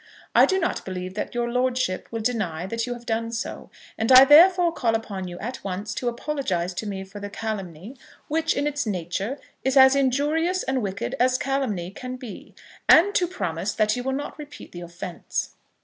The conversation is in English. I do not believe that your lordship will deny that you have done so, and I, therefore, call upon you at once to apologise to me for the calumny, which, in its nature, is as injurious and wicked as calumny can be, and to promise that you will not repeat the offence."